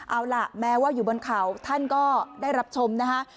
เอาล่ะแม้ว่าอยู่บนเขาท่านก็ได้รับชมนะคะ